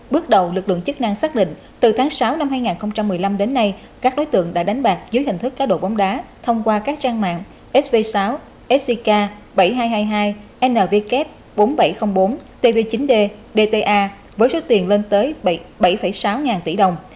bước đầu lực lượng chức năng xác định từ tháng sáu năm hai nghìn một mươi năm đến nay các đối tượng đã đánh bạc dưới hình thức cá độ bóng đá thông qua các trang mạng sv sáu sgk bảy nghìn hai trăm hai mươi hai nvk bốn nghìn bảy trăm linh bốn tv chín d dta với số tiền lên tới bảy sáu ngàn tỷ đồng